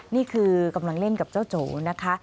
นี่คือกำลังเล่นกับเจ้าโจนะคะ